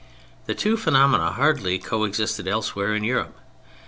The two phe nomena hardly co existed elsewhere in Europe.